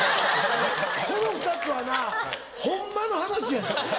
この２つはなホンマの話やねん！